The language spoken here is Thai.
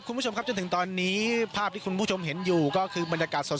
คุณผู้ชมครับจนถึงตอนนี้ภาพที่คุณผู้ชมเห็นอยู่ก็คือบรรยากาศสด